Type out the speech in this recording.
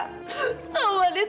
tidak tante tidak